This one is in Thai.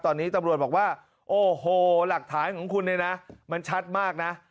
ตอนนี้ตำรวจบอกว่าโอ้โหหลักฐานของคุณเนี่ยนะมันชัดมากนะ